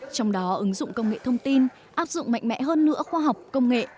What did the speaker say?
trong đó ứng dụng công nghệ thông tin áp dụng mạnh mẽ hơn nữa khoa học công nghệ